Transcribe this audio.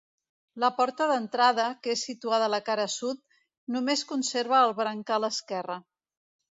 La porta d'entrada, que és situada a la cara sud, només conserva el brancal esquerre.